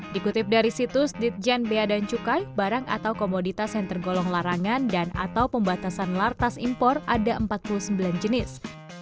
dikutip dari situs ditjen bea dan cukai barang atau komoditas yang tergolong larangan dan atau pembatasan lartas impor ada empat puluh sembilan jenis